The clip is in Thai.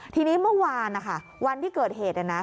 ทีนี้เมื่อวานนะคะวันที่เกิดเหตุ